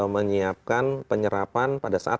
menyiapkan penyerapan pada saat